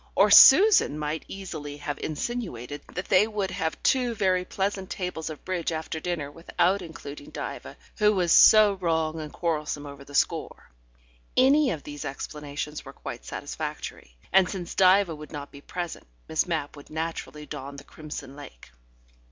... Or Susan might easily have insinuated that they would have two very pleasant tables of bridge after dinner without including Diva, who was so wrong and quarrelsome over the score. Any of these explanations were quite satisfactory, and since Diva would not be present, Miss Mapp would naturally don the crimson lake.